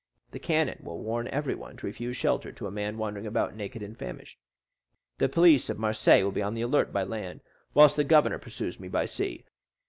The cannon will warn everyone to refuse shelter to a man wandering about naked and famished. The police of Marseilles will be on the alert by land, whilst the governor pursues me by sea.